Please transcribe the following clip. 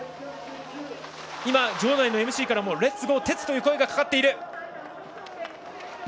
場内のＭＣからもレッツゴーテツという声がかかっている。